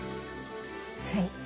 はい。